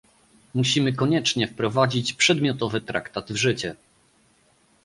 Musimy koniecznie wprowadzić przedmiotowy traktat w życie